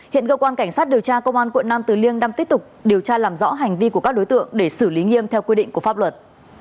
hiện cơ quan cảnh sát điều tra công an quận nam từ liêm đang tiếp tục điều tra làm rõ hành vi của các đối tượng để xử lý nghiêm theo quy định của pháp luật